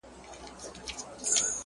سیاه پوسي ده- قندهار نه دی-